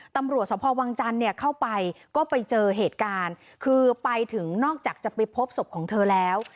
ตำรวจสภวังจันทร์เนี่ยเข้าไปก็ไปเจอเหตุการณ์คือไปถึงนอกจากจะไปพบศพของเธอแล้ว